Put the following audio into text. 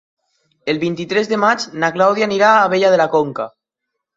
El vint-i-tres de maig na Clàudia anirà a Abella de la Conca.